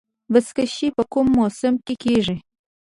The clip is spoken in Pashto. بزکشي په کوم موسم کې کیږي؟